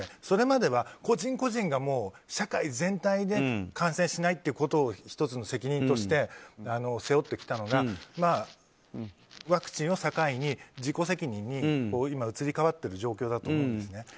それまでは個人個人が社会全体で感染しないということを１つの責任として背負ってきたのがワクチンを境に自己責任に移り変わっている状況だと思うんですね。